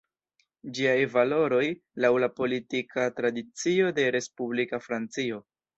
Ĝiaj valoroj, laŭ la politika tradicio de respublika Francio.